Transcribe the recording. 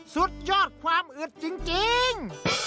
สุดยอดความอึดจริง